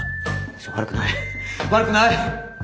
私は悪くない悪くない！